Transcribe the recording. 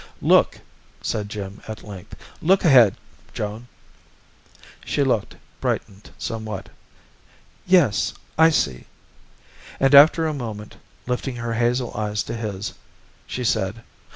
"Look!" said Jim at length. "Look ahead, Joan!" She looked, brightened somewhat. "Yes, I see." And after a moment, lifting her hazel eyes to his, she said.